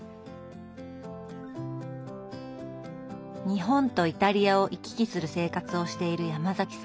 日本とイタリアを行き来する生活をしているヤマザキさん。